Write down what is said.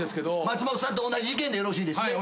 松本さんと同じ意見でよろしいですね？